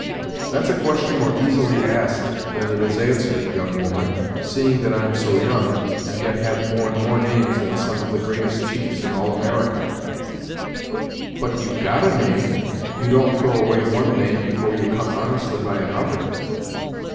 "That's a question more easily asked than it is answered, young woman, seeing that I'm so young, and yet have borne more names than some of the greatest chiefs in all America." "But you've got a name you don't throw away one name, before you come honestly by another?"